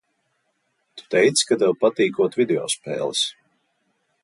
Tu teici, ka tev patīkot video spēles?